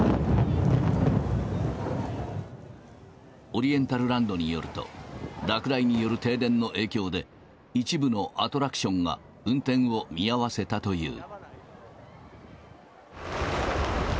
オリエンタルランドによると、落雷による停電の影響で、一部のアトラクションが運転を見合わせたという。